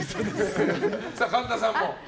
神田さんも。